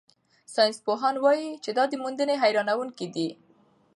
ساینسپوهان وايي چې دا موندنې حیرانوونکې دي.